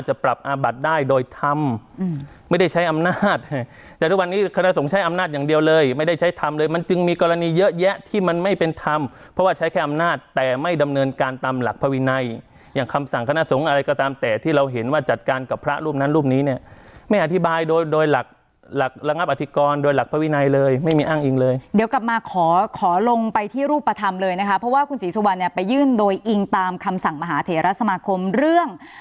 แต่ไม่ดำเนินการตามหลักพระวินัยอย่างคำสั่งคณะสงฆ์อะไรก็ตามแต่ที่เราเห็นว่าจัดการกับพระรูปนั้นรูปนี้เนี่ยไม่อธิบายโดยโดยหลักหลักระงับอธิกรโดยหลักพระวินัยเลยไม่มีอ้างอิงเลยเดี๋ยวกลับมาขอขอลงไปที่รูปธรรมเลยนะคะเพราะว่าคุณศรีสุวรรณเนี่ยไปยื่นโดยอิงตามคำสั่งมหาเถ